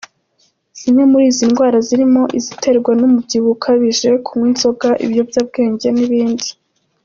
Zimwe muri izi ndwara zirimo iziterwa n’umubyiho ukabije, kunywa inzoga, ibiyobyabwenge n’ibindi.